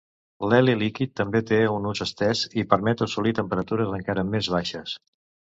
L'heli líquid també té un ús estès i permet assolir temperatures encara més baixes.